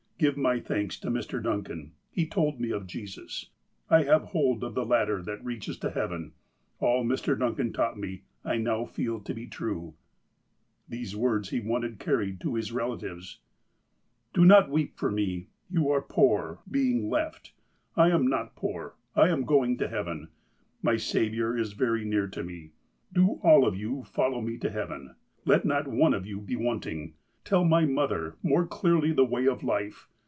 Give my thanks to Mr. Duncan. He told me of Jesus. I have hold of the ladder that reaches to heaven. All Mr. Duncan taught me, I now feel to be true.' *' These words he wanted carried to his relatives :"' Do not weep for me. You are poor, being left. I am not poor. I am going to heaven. My Saviour is very near to me. Do all of you follow me to heaven. Let not one of you be wanting. Tell my mother more clearly the way of life.